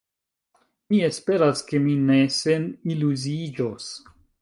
Mi esperas, ke mi ne seniluziiĝos.